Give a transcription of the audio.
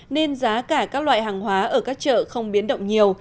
nên giá cả các loại hàng hóa ở các chợ không biến động nhiều